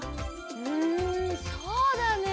うんそうだね。